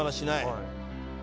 はい。